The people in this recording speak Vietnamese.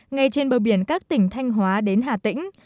ngay trên bờ biển các tỉnh thanh hóa đến hà tĩnh